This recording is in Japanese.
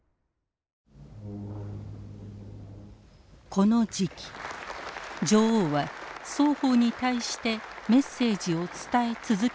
この時期女王は双方に対してメッセージを伝え続けていた。